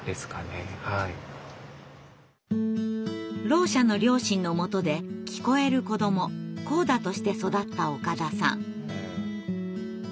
ろう者の両親のもとで聞こえる子ども「ＣＯＤＡ」として育った岡田さん。